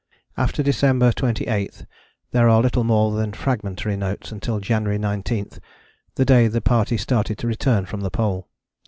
After December 28 there are little more than fragmentary notes until January 19, the day the party started to return from the Pole.